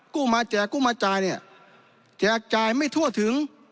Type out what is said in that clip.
กู้มาแจกกู้มาจ่ายเนี่ยแจกจ่ายไม่ทั่วถึง